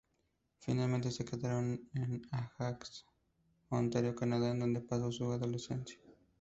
Finalmente se quedaron en Ajax, Ontario, Canadá, en donde pasó su adolescencia.